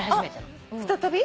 再び？